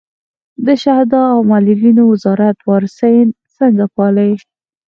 د شهدا او معلولینو وزارت وارثین څنګه پالي؟